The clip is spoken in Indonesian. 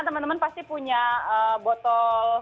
teman teman pasti punya botol